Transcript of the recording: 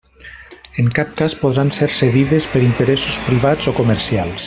En cap cas podran ser cedides per interessos privats o comercials.